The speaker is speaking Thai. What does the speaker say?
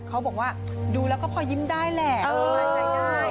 เขาบอกว่าดูแล้วก็พอยิ้มได้แหละ